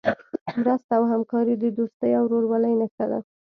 مرسته او همکاري د دوستۍ او ورورولۍ نښه ده.